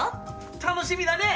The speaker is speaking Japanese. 楽しみだね！